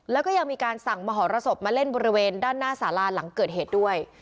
แล้วก็ยังมีการสั่งมหรสบมาเล่นบริเวณด้านหน้าสาราหลังเกิดเหตุด้วย